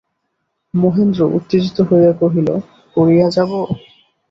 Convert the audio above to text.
মহেন্দ্র উত্তেজিত হইয়া কহিল, পড়িয়া যাব?